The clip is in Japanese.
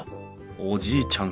おじいちゃん